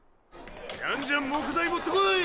じゃんじゃん木材持ってこい！